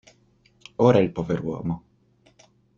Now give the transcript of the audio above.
Ora il poveruomo.